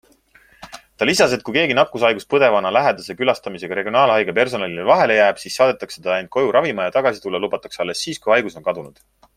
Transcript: Ta lisas, et kui keegi nakkushaigust põdevana lähedase külastamisega regionaalhaigla personalile vahele jääb, siis saadetakse ta end koju ravima ja tagasi tulla lubatakse alles siis, kui haigus on kadunud.